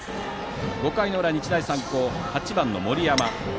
５回の裏、日大三高８番の森山。